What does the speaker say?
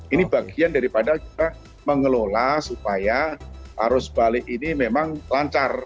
ini bagian daripada kita mengelola supaya arus balik ini memang lancar